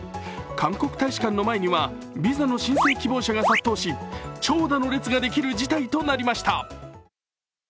韓国大使館の前にはビザの申請希望者が殺到し長蛇の列ができる事態となりました。